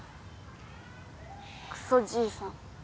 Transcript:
クソじいさん。